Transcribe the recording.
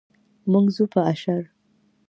موږ ځو په اشر.